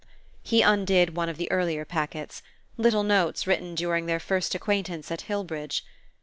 He undid one of the earlier packets little notes written during their first acquaintance at Hillbridge.